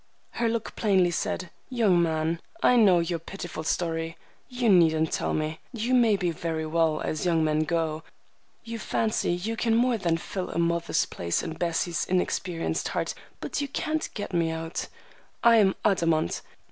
Her look plainly said: "Young man, I know your pitiful story. You needn't tell me. You may be very well as young men go, you fancy you can more than fill a mother's place in Bessie's inexperienced heart, but you can't get me out. I am Adamant.